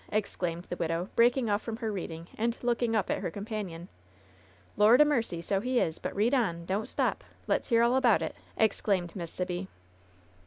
exclaimed the widow, breaking off from her readings and looking up at her companion. "Lord 'a^ mercy 1 So he is! But read on! Don^t stop ! Let^s hear all about it !" exclaimed Miss Sibby.